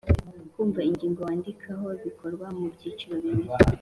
Kumva ingingo wandikaho bikorwa mu byiciro bibiri: